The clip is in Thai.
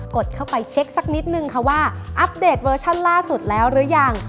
ดเข้าไปเช็คสักนิดนึงค่ะว่าอัปเดตเวอร์ชั่นล่าสุดแล้วหรือยัง